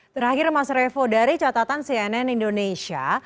terakhir mas revo dari catatan cnn indonesia